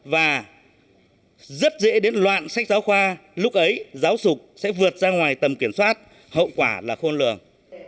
và rất dễ đến loạn sách giáo khoa lúc ấy giáo dục sẽ vượt ra ngoài tầm kiểm soát hậu quả là khôn lường